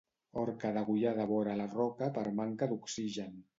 Orca degollada vora la roca per manca d'oxigen.